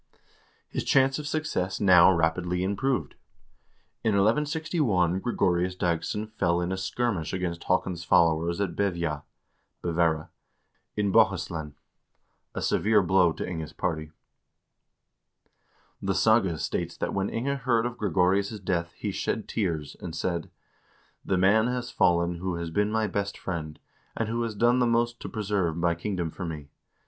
His chance of success now rapidly improved. In 1161 Gregorius Dagss0n fell in a skirmish against Haakon's followers at Bevja (Bevera), in Bohuslen, — a severe blow to Inge's party. The saga states that when Inge heard of Gregorious' death he shed tears and said :" The man has fallen who has been my best friend, and who has done the most to preserve my kingdom for me.